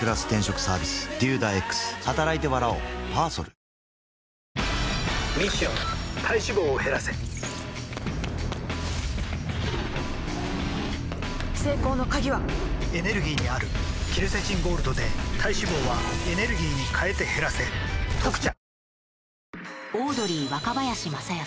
ミッション体脂肪を減らせ成功の鍵はエネルギーにあるケルセチンゴールドで体脂肪はエネルギーに変えて減らせ「特茶」